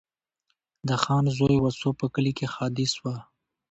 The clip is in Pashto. د خان زوی وسو په کلي کي ښادي سوه